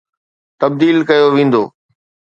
تبديل ڪيو ويندو.